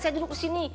saya duduk di sini